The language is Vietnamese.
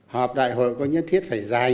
họp đại hội có nhất thiết phải dài như thế không